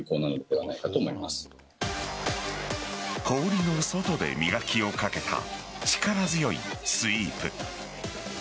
氷の外で磨きをかけた力強いスイープ。